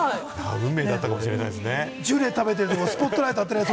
運命だったかもしれませんね。